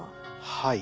はい。